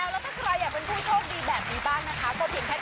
แล้วถ้าใครอยากเป็นผู้โชคดีแบบนี้บ้างนะคะ